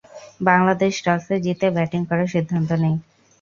বাংলাদেশ টসে জিতে ব্যাটিং করার সিদ্ধান্ত নেয়।